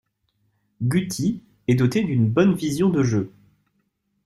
Guti est doté d'une bonne vision de jeu.